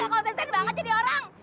kok kontesan banget jadi orang